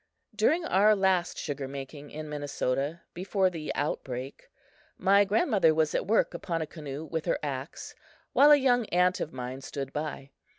During our last sugar making in Minnesota, before the "outbreak," my grandmother was at work upon a canoe with her axe, while a young aunt of mine stood by.